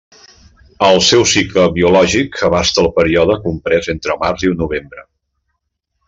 El seu cicle biològic abasta el període comprès entre març i novembre.